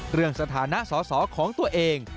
เรื่องสถานะสอของตัวเอง